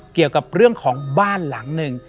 เกี่ยวกับเรื่องของบ้านหลังหนึ่ง